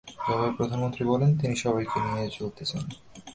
জবাবে প্রধানমন্ত্রী বলেন, তিনি সবাইকে নিয়ে চলতে চান।